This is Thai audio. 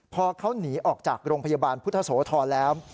พอเขาหนีออกจากโรงพยาบาลพุทธโสธรแล้ว